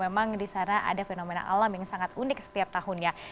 memang di sana ada fenomena alam yang sangat unik setiap tahunnya